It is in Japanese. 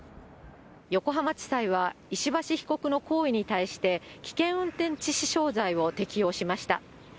横浜地裁は、石橋被告の行為に対して、危険運転致死傷罪を適用しました。